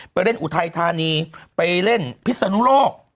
ไปเล่นอุทัยธานีไปเล่นพิศนุโลก